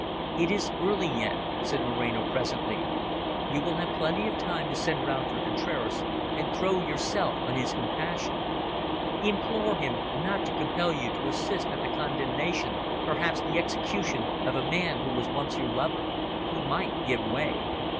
"It is early yet," said Moreno presently. "You have plenty of time to send round for Contraras and throw yourself on his compassion. Implore him not to compel you to assist at the condemnation, perhaps the execution, of a man who was once your lover. He might give way."